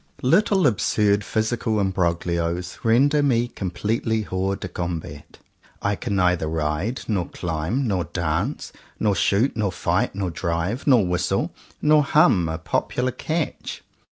Little absurd physical imbroglios render me completely hors de combat. I can neither ride, nor climb, nor dance, nor shoot, nor fight, nor drive, nor whistle, nor hum a popular catch.